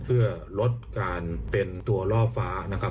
เพื่อลดการเป็นตัวล่อฟ้านะครับ